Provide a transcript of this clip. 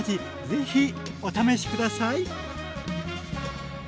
ぜひお試し下さい。